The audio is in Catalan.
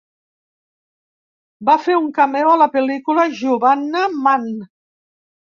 Va fer un cameo a la pel·lícula Juwanna Mann.